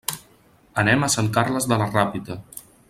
Anem a Sant Carles de la Ràpita.